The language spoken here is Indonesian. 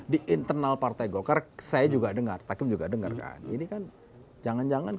di internal partai golkar saya juga dengar hakim juga dengarkan ini kan jangan jangan